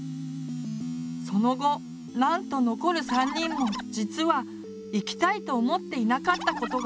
その後なんと残る３人も実は行きたいと思っていなかったことが発覚。